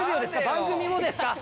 番組もですか？